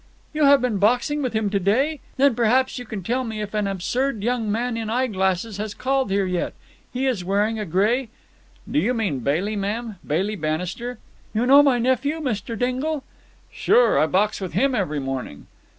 "You have been boxing with him to day? Then perhaps you can tell me if an absurd young man in eye glasses has called here yet? He is wearing a grey——" "Do you mean Bailey, ma'am. Bailey Bannister?" "You know my nephew, Mr. Dingle?" "Sure. I box with him every morning."